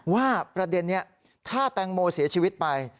ว่าประเด็นนี้ถ้าแตงโมเสียชีวิตไป